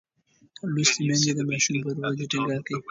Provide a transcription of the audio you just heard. لوستې میندې د ماشوم پر ودې ټینګار کوي.